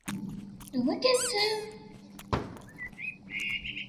The vegetative parts are very toxic.